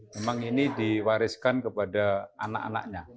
memang ini diwariskan kepada anak anaknya